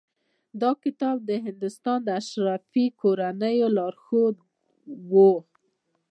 دا کتاب د هندوستان د اشرافي کورنیو لارښود و.